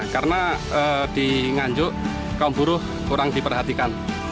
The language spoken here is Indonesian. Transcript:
karena di nganjuk kaum buruh kurang diperhatikan